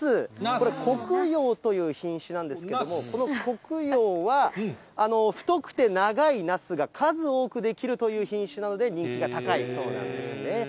これ国陽という品種なんですけども、この黒陽は、太くて長いナスが数多く出来るという品種なので、人気が高いそうなんですね。